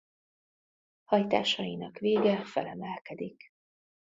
Hajtásainak vége felemelkedik.